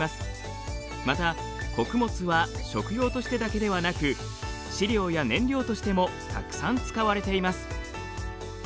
また穀物は食用としてだけではなく飼料や燃料としてもたくさん使われています。